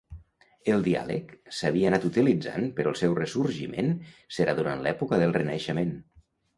El diàleg s'havia anat utilitzant però el seu ressorgiment serà durant l'època del Renaixement.